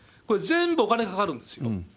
これ、全部お金かかるんですよ。